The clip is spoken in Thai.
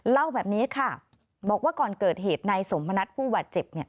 เล่าแบบนี้ค่ะบอกว่าก่อนเกิดเหตุนายสมณัฐผู้บาดเจ็บ